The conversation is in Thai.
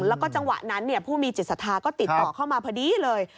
แล้วก็จังหวะนั้นผู้มีจิตศรัทธาก็ติดต่อเข้ามาพอดีเลย